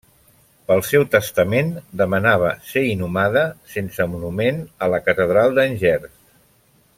Pel seu testament, demanava ser inhumada, sense monument, a la catedral d'Angers.